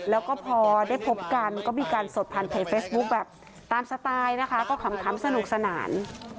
แล้วก็พอได้พบกันก็มีการสดผ่านเพจเฟซบุ๊คแบบตามสไตล์นะคะก็ขำสนุกสนาน